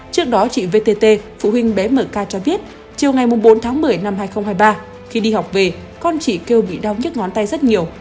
trước đó chị vtt phụ huynh bé mk cho biết chiều ngày bốn tháng một mươi năm hai nghìn hai mươi ba khi đi học về con chị kêu bị đau nhức ngón tay rất nhiều